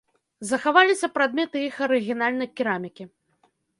Захаваліся прадметы іх арыгінальнай керамікі.